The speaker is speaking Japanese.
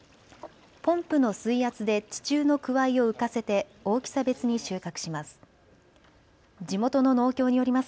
ポンプの水圧で地中のくわいを浮かせて大きさ別に収穫します。